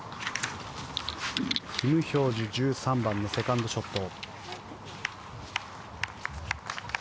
キム・ヒョージュ１３番のセカンドショット。